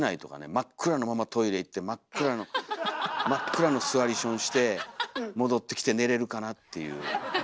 真っ暗のままトイレ行って真っ暗の真っ暗の座りションして戻ってきて寝れるかなっていう。